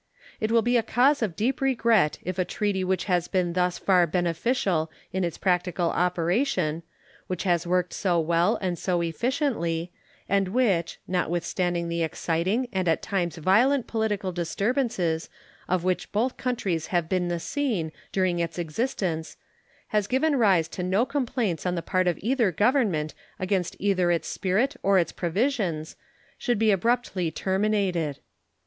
It will be a cause of deep regret if a treaty which has been thus far beneficial in its practical operation, which has worked so well and so efficiently, and which, notwithstanding the exciting and at times violent political disturbances of which both countries have been the scene during its existence, has given rise to no complaints on the part of either Government against either its spirit or its provisions, should be abruptly terminated.